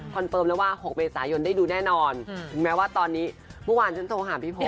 เฟิร์มแล้วว่า๖เมษายนได้ดูแน่นอนถึงแม้ว่าตอนนี้เมื่อวานฉันโทรหาพี่โพ